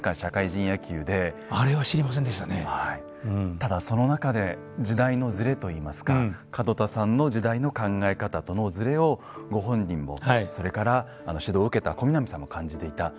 ただその中で時代のずれと言いますか門田さんの時代の考え方とのずれをご本人もそれから指導を受けた小南さんも感じていた。